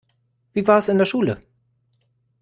Wie war es in der Schule?